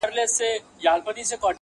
دا نامرده چي په ځان داسي غره دی,